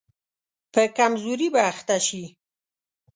په کمزوري به اخته شي.